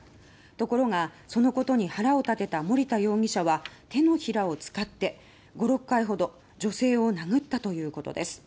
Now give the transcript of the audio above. ところが、そのことに腹を立てた森田容疑者は手のひらを使って５回ほど女性を殴ったということです。